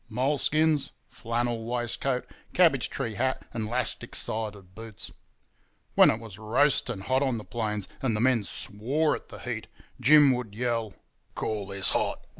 Moleskins, flannel waistcoat, cabbage tree hat and 'lastic side boots. When it was roasting hot on the plains and the men swore at the heat, Jim would yell, 'Call this hot?